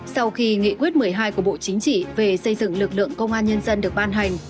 sau khi nghị quyết một mươi hai của bộ chính trị về xây dựng lực lượng công an nhân dân được ban hành